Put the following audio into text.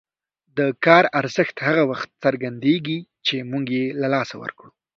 د کار ارزښت هغه وخت څرګندېږي چې موږ یې له لاسه ورکړو.